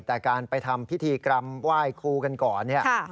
แต่การไปทำพิธีกรรมไหว้ครูกันก่อนเนี่ย